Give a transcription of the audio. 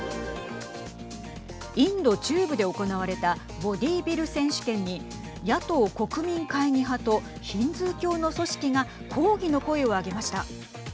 インド中部で行われたボディービル選手権に野党・国民会議派とヒンズー教の組織が抗議の声を上げました。